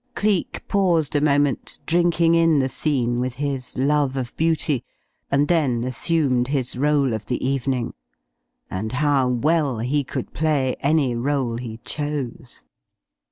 Cleek paused a moment, drinking in the scene with his love of beauty, and then assumed his rôle of the evening. And how well he could play any rôle he chose!